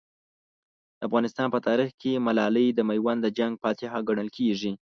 د افغانستان په تاریخ کې ملالۍ د میوند د جنګ فاتحه ګڼل کېږي.